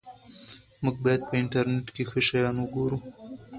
موږ باید په انټرنیټ کې ښه شیان وګورو.